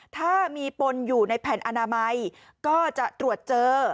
ถ้ามีปนอยู่ในแผ่นอนามัยก็จะตรวจเจอ